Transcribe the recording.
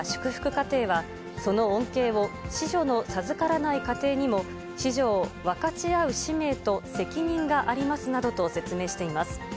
家庭は、その恩恵を子女の授からない家庭にも子女を分かち合う使命と責任がありますなどと説明しています。